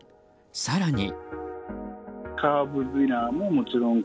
更に。